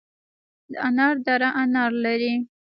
د انار دره انار لري